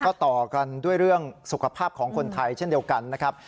ก็ต่อกันด้วยเรื่องสุขภาพของคนไทยเช่นเดียวกันนะครับ